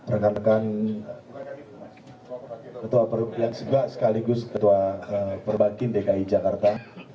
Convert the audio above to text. rekan rekan ketua perhubungan seba sekaligus ketua perbagian dki jakarta